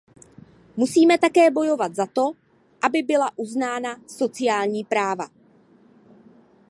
Musíme také bojovat za to, aby byla uznána sociální práva.